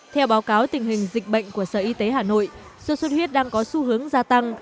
theo báo cáo tình hình dịch bệnh của sở y tế hà nội sốt xuất huyết đang có xu hướng gia tăng